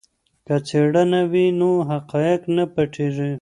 که څېړنه وي نو حقایق نه پټیږي.